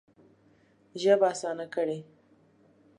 ژبه اسانه کړې.